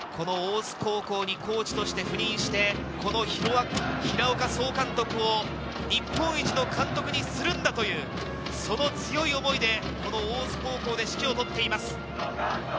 この大津高校にコーチとして赴任して、平岡総監督を日本一の監督にするんだという、その強い思いで大津高校で指揮を執っています。